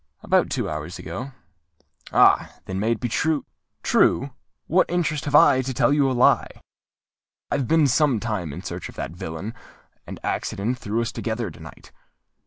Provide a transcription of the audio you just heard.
"About two hours ago." "Ah! then it may be true——" "True! what interest have I to tell you a lie? I have been some time in search of that villain; and accident threw us together to night.